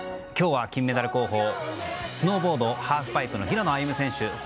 今日は金メダル候補スノーボード・ハーフパイプの平野歩夢選手